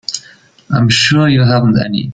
I'm sure you haven't any.